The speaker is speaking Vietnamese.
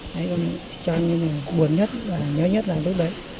đấy cho nên buồn nhất và nhớ nhất là lúc đấy